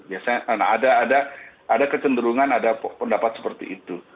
biasanya ada kecenderungan ada pendapat seperti itu